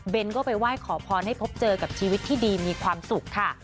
ก็ไปไหว้ขอพรให้พบเจอกับชีวิตที่ดีมีความสุขค่ะ